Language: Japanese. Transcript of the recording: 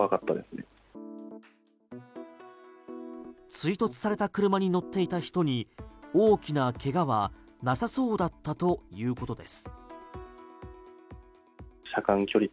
追突された車に乗っていた人に大きな怪我はなさそうだったということです。